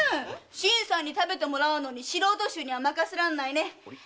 新さんに食べてもらうのに素人衆には任せられないね。